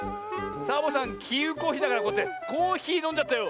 サボさんきうこひだからこうやってコーヒーのんじゃったよ。